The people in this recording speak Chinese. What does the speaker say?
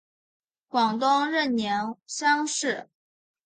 广东壬午乡试。